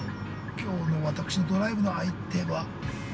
きょうの私のドライブの相手は。